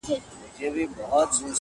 تا به د پی مخو صدقې ته زړه راوړی وي-